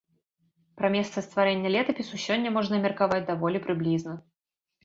Пра месца стварэння летапісу сёння можна меркаваць даволі прыблізна.